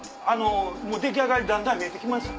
もう出来上がりだんだん見えてきました。